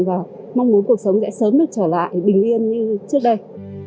và mong muốn cuộc sống sẽ sớm được trở lại bình yên như trước đây